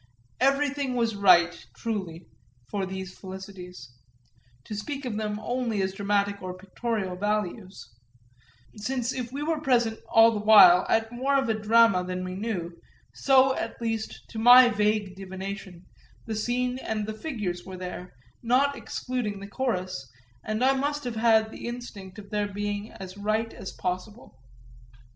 Everything was right, truly, for these felicities to speak of them only as dramatic or pictorial values; since if we were present all the while at more of a drama than we knew, so at least, to my vague divination, the scene and the figures were there, not excluding the chorus, and I must have had the instinct of their being as right as possible.